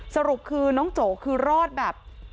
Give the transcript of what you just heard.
สรุปคือน้องโจคือรอดแบบ